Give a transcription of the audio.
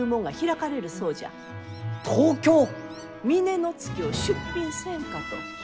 峰乃月を出品せんかと。